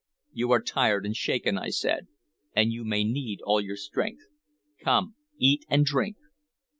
"You are tired and shaken," I said, "and you may need all your strength. Come, eat and drink."